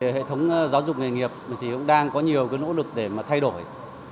hệ thống giáo dục nghề nghiệp thì cũng đang có nhiều nỗ lực để thay đổi